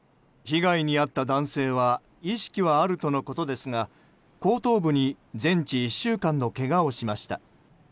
被害に遭った男性は意識はあるとのことですが後頭部に全治１週間のけがをしました。